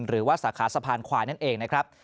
หรือว่าสาขาสะพานควายนั่นเองนะครับ